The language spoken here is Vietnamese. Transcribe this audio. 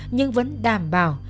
nhưng vẫn đảm bảo